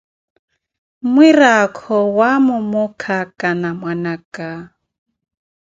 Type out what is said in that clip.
Mmiraakho owaamo muukhaaka na mwana aka.